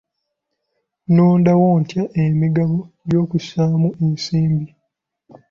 Nnonda wo ntya emigabo egy'okussaamu ensimbi?